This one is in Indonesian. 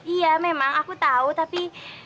iya memang aku tahu tapi